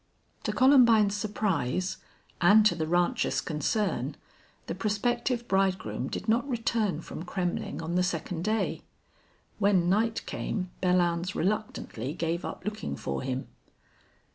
To Columbine's surprise and to the rancher's concern the prospective bridegroom did not return from Kremmling on the second day. When night came Belllounds reluctantly gave up looking for him.